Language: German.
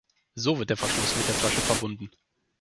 So wird der Verschluss mit der Flasche verbunden.